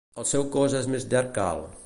El seu cos és més llarg que alt.